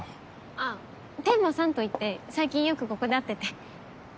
あぁ天間さんといって最近よくここで会ってて。